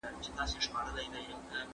دواړه مجلسونه کله ګډه غونډه کوي؟